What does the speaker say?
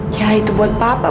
ya itu buat papa